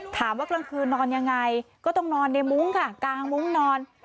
กลางคืนนอนยังไงก็ต้องนอนในมุ้งค่ะกลางมุ้งนอน